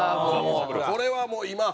これはもう今。